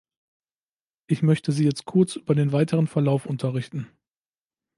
Ich möchte Sie jetzt kurz über den weiteren Verlauf unterrichten.